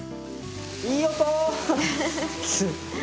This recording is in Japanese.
いい音！